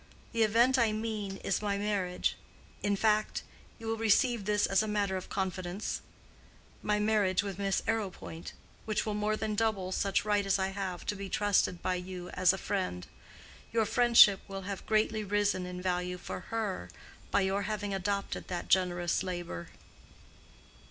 The event I mean is my marriage—in fact—you will receive this as a matter of confidence—my marriage with Miss Arrowpoint, which will more than double such right as I have to be trusted by you as a friend. Your friendship will have greatly risen in value for her by your having adopted that generous labor."